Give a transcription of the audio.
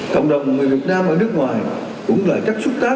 cộng đồng người việt nam ở nước ngoài cũng là chất xúc tác